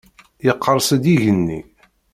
Yeqqers-d yigenni.